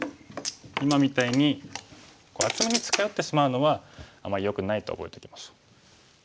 今みたいに厚みに近寄ってしまうのはあまりよくないと覚えておきましょう。